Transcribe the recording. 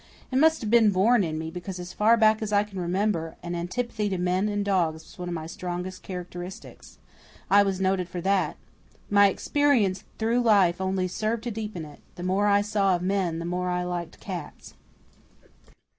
It must have been born in me, because, as far back as I can remember, an antipathy to men and dogs was one of my strongest characteristics. I was noted for that. My experiences through life only served to deepen it. The more I saw of men, the more I liked cats.